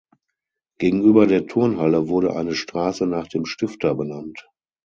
Gegenüber der Turnhalle wurde eine Straße nach dem Stifter benannt.